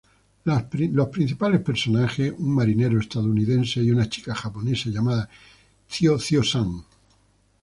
Los principales personajes; un marinero estadounidense, y una chica japonesa llamada Cio-Cio San.